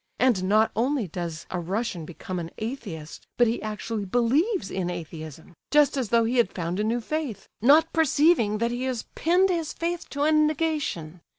And not only does a Russian 'become an Atheist,' but he actually believes in Atheism, just as though he had found a new faith, not perceiving that he has pinned his faith to a negation.